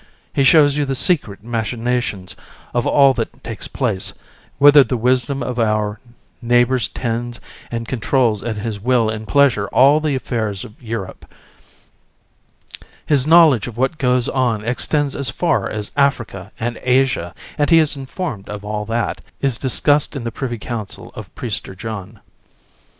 He shows you the secret machinations of all that takes place, whither the wisdom of our neighbours tends, and controls at his will and pleasure all the affairs of Europe. His knowledge of what goes on extends as far as Africa and Asia, and he is informed of all that; is discussed in the privy council of Prester John and the Great Mogul.